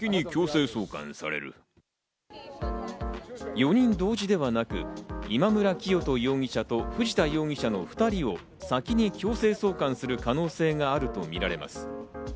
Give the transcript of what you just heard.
４人同時ではなく、今村磨人容疑者と藤田容疑者の２人を先に強制送還する可能性があるとみられます。